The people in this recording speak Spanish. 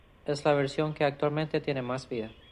Es la versión que actualmente tiene más vida.